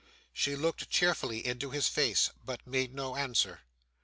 She looked cheerfully into his face, but made no answer.